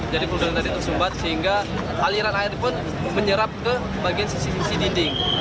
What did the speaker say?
jadi flugen tadi tersumpat sehingga aliran air pun menyerap ke bagian sisi sisi dinding